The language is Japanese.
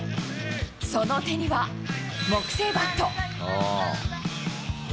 その手には、木製バット。